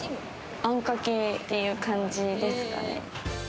あんかけっていう感じですかね。